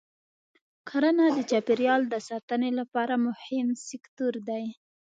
کرنه د چاپېریال د ساتنې لپاره مهم سکتور دی.